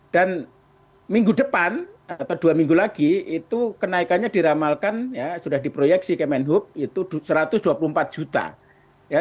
dan minggu depan atau dua minggu lagi itu kenaikannya diramalkan ya sudah diproyeksi kemenhub itu satu ratus dua puluh empat juta